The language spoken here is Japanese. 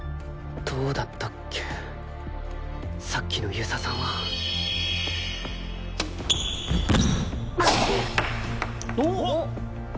どうだったっけさっきの遊佐さんはおっ！